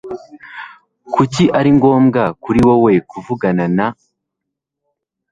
Kuki ari ngombwa kuri wowe kuvugana na ?